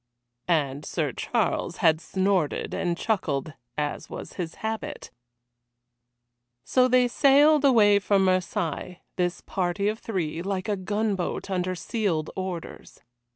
And Sir Charles had snorted and chuckled, as was his habit. So they sailed away from Marseilles, this party of three, like a gunboat under sealed orders.